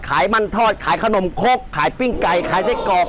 ขายมันทอดขายขนมคกขายปิ้งไก่ขายไส้กรอก